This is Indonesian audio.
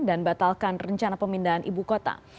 dan batalkan rencana pemindahan ibu kota